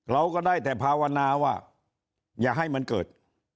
เราก็ได้แต่ภาวนาว่าอย่าให้มันเกิด